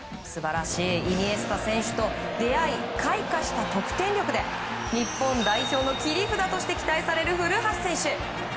イニエスタ選手と出会い開花した得点力で日本代表の切り札として期待される古橋選手。